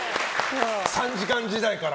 ３時間時代から？